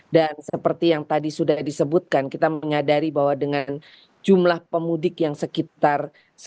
dan seperti yang tadi sudah disebutkan kita mengadari bahwa dengan jumlah pemudik yang sekitar satu ratus sembilan puluh tiga